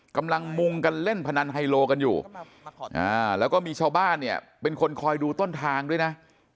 กำลังมุงกันเล่นพนันไฮโลกันอยู่แล้วก็มีชาวบ้านเนี่ยเป็นคนคอยดูต้นทางด้วยนะ